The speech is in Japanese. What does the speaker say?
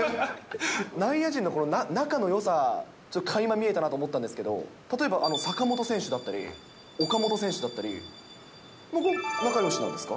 内野陣の、この仲のよさ、かいま見えたなと思ったんですけど、例えば坂本選手だったり、岡本選手だったりも仲よしなんですか？